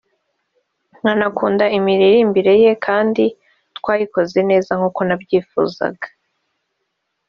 nkanakunda imiririmbire ye kandi twayikoze neza nk’uko nabyifuzaga